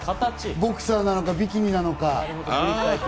ボクサーなのかビキニなのか。